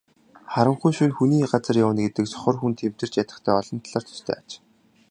Харанхуй шөнө хүний газар явна гэдэг сохор хүн тэмтэрч ядахтай олон талаар төстэй аж.